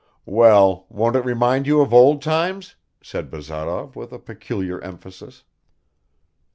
"Well, won't it remind you of old times?" said Bazarov with a peculiar emphasis.